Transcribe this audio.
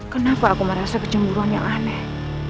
kenapa aku merasa kecemburuan yang aneh